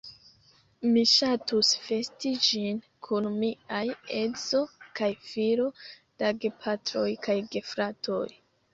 Mi ŝatus festi ĝin kun miaj edzo kaj filo, la gepatroj kaj gefratoj.